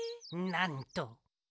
なんと。